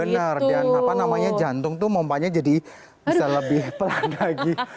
benar dan apa namanya jantung tuh pompanya jadi bisa lebih pelan lagi